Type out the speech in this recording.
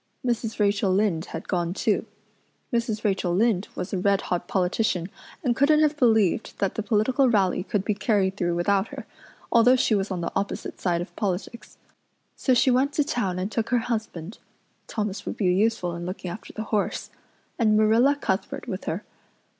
Mrs. Rachel Lynde had gone too. Mrs. Rachel Lynde was a red hot politician and couldn't have believed that the political rally could be carried through without her, although she was on the opposite side of politics. So she went to town and took her husband Thomas would be useful in looking after the horse and Marilla Cuthbert with her.